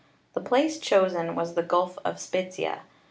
The place chosen was the Gulf of Spezzia.